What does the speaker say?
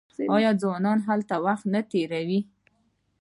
آیا ځوانان هلته وخت نه تیروي؟